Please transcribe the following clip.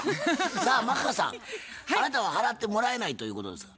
さあマッハさんあなたは払ってもらえないということですが？